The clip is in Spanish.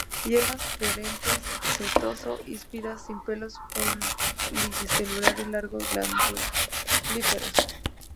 Hierbas perennes, setoso-híspidas, sin pelos pluricelulares largos glandulíferos.